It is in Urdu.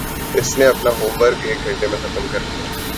اس نے اپنا ہوم ورک ایک گھنٹے میں ختم کر لیا